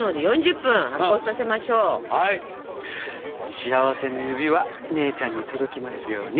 幸せの指輪姉ちゃんに届きますように。